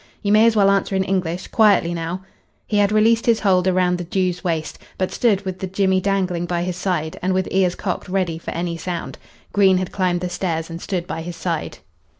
"You may as well answer in English. Quietly, now." He had released his hold round the Jew's waist, but stood with the jemmy dangling by his side and with ears cocked ready for any sound. Green had climbed the stairs and stood by his side.